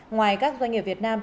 ngoài các doanh nghiệp việt nam